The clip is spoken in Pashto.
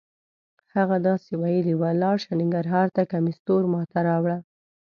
هغه داسې ویلې وه: لاړ شه ننګرهار ته کمیس تور ما ته.